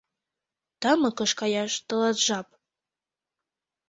— Тамыкыш каяш тылат жап!